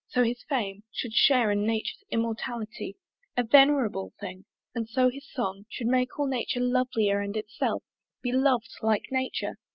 so his fame Should share in nature's immortality, A venerable thing! and so his song Should make all nature lovelier, and itself Be lov'd, like nature!